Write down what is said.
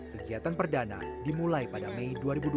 kegiatan perdana dimulai pada mei dua ribu dua puluh